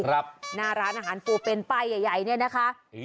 หน้าร้านอาหารปูเป็นไปใหญ่เนี่ยนะคะ